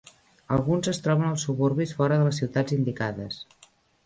Alguns es troben als suburbis fora de les ciutats indicades.